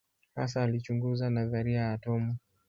Hasa alichunguza nadharia ya atomu.